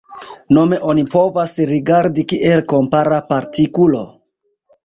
Nome oni povas rigardi kiel kompara partikulo.”